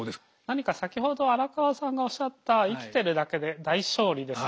何か先ほど荒川さんがおっしゃった生きてるだけで大勝利ですよね。